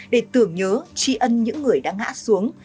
để tưởng nhớ tri ân những người đã ngã xuống